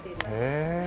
へえ。